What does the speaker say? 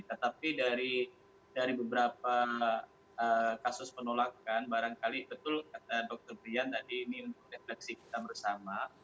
tetapi dari beberapa kasus penolakan barangkali betul kata dokter brian tadi ini untuk refleksi kita bersama